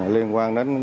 liên quan đến